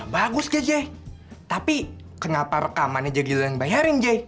bagus jay jay tapi kenapa rekamannya jadi lo yang bayarin jay